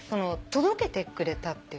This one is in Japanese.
届けてくれたって。